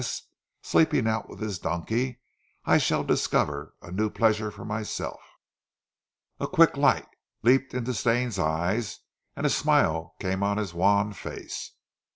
S. sleeping out with his donkey I shall discover a new pleasure for myself." A quick light leaped in Stane's eyes and a smile came on his wan face.